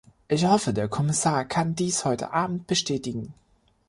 Ich hoffe, der Kommissar kann dies heute Abend bestätigen.